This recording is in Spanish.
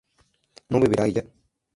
¿no beberá ella?